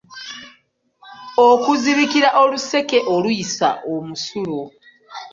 Okuzibikira oluseke oluyisa omusulo.